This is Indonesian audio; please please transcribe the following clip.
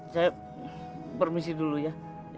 saya permisi dulu ya